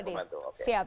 pemerintah siap membantu